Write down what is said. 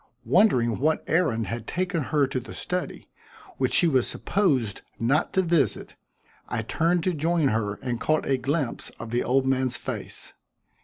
Wondering what errand had taken her to the study, which she was supposed not to visit, I turned to join her and caught a glimpse of the old man's face.